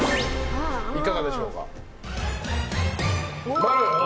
いかがでしょうか？